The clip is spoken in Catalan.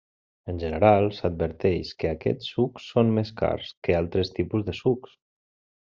En general, s'adverteix que aquests sucs són més cars que altres tipus de sucs.